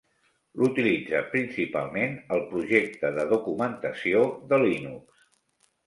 L'utilitza principalment el projecte de documentació de Linux.